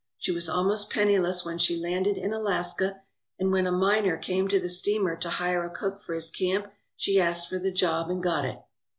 She was almost penniless when she landed in Alaska, and when a miner came to the steamer to hire a cook for his camp she asked for the job and got it.